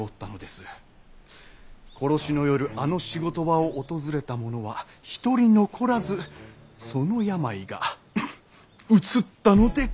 殺しの夜あの仕事場を訪れた者は一人残らずその病がうつったのでございます。